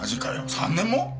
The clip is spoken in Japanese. ３年も！？